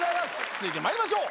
続いて参りましょう。